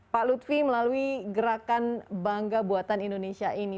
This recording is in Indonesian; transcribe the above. pak lutfi melalui gerakan bangga buatan indonesia ini